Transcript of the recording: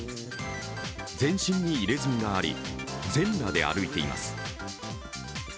全身に入れ墨があり、全裸で歩いています。